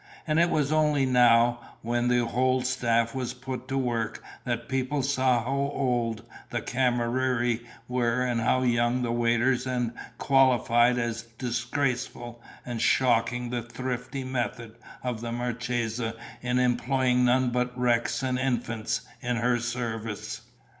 And it was only now, when the whole staff was put to work that people saw how old the cameriere were and how young the waiters and qualified as disgraceful and shocking the thrifty method of the marchesa in employing none but wrecks and infants in her service.